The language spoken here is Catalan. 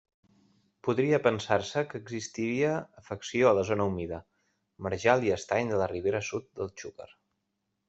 Podria pensar-se que existira afecció a la zona humida: marjal i estany de la ribera sud del Xúquer.